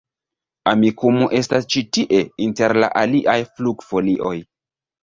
Amikumu estas ĉi tie inter la aliaj flugfolioj